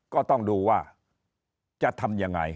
ก็ต้องดูว่าจะทำยังไง